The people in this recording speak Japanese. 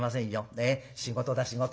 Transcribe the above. ねえ仕事だ仕事。